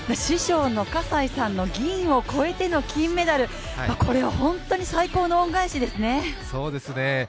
師匠の葛西さんの銀を越えての金メダル、これは本当に最高の恩返しですね。